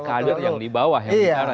ini kader yang di bawah